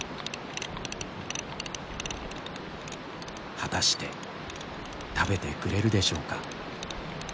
果たして食べてくれるでしょうか？